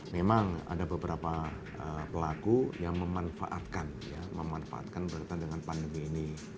memang ada beberapa pelaku yang memanfaatkan memanfaatkan berkaitan dengan pandemi ini